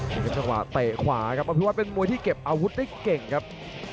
เป็นเมื่อกำลังเตะขวาครับอภิวัตเป็นมวยที่เก็บอาวุธได้เก่งครับ